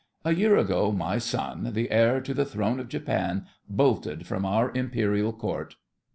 A year ago my son, the heir to the throne of Japan, bolted from our Imperial Court.